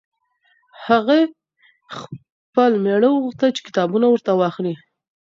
هغې ه خپل مېړه وغوښتل چې کتابونه ورته واخلي.